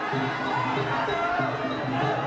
อ้าวเดี๋ยวดูยก๓นะครับ